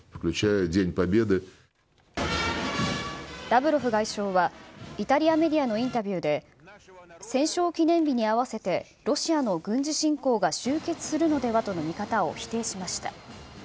ラブロフ外相は、イタリアメディアのインタビューで、戦勝記念日に合わせて、ロシアの軍事侵攻が終結するのではとの見方を否定しました。